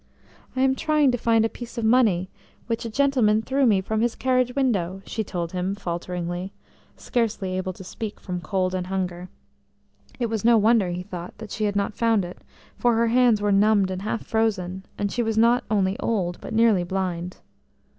"I am trying to find a piece of money, which a gentleman threw me from his carriage window," she told him falteringly, scarcely able to speak from cold and hunger. It was no wonder, he thought, that she had not found it, for her hands were numbed and half frozen, and she was not only old, but nearly blind.